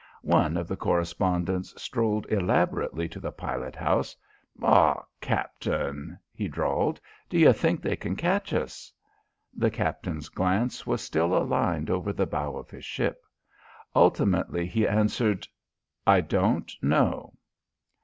One of the correspondents strolled elaborately to the pilot house. "Aw Captain," he drawled, "do you think they can catch us?" The captain's glance was still aligned over the bow of his ship. Ultimately he answered: "I don't know."